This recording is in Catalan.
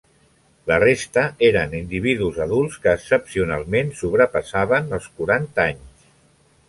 La resta eren individus adults que excepcionalment sobrepassaven els quaranta anys.